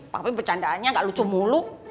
tapi bercandaannya nggak lucu mulu